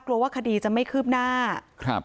กลัวว่าคดีจะไม่คืบหน้าครับ